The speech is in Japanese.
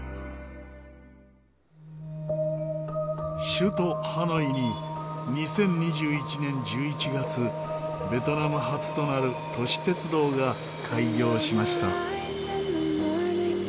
首都ハノイに２０２１年１１月ベトナム初となる都市鉄道が開業しました。